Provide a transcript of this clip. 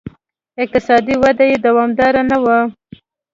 اقتصادي وده یې دوامداره نه وه.